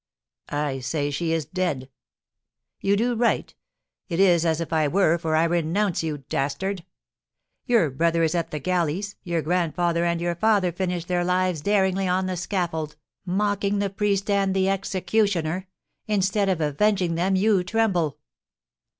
"I say she is dead." "You do right; it is as if I were, for I renounce you, dastard! Your brother is at the galleys; your grandfather and your father finished their lives daringly on the scaffold, mocking the priest and the executioner! Instead of avenging them you tremble!"